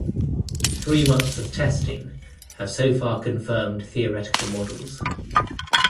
Three months of testing have so far confirmed theoretical models.